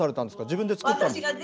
自分で作ったんですか？